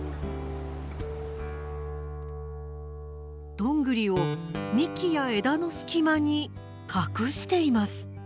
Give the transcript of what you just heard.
ドングリを幹や枝の隙間に隠しています。